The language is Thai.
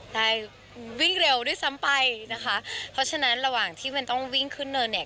ได้วิ่งเร็วด้วยซ้ำไปนะคะเพราะฉะนั้นระหว่างที่มันต้องวิ่งขึ้นเนินเนี่ย